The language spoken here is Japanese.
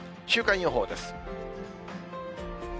週間予報です。